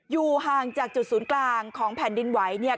อยู่ห่างจากจุดศูนย์กลางของแผ่นดินไหวเนี่ย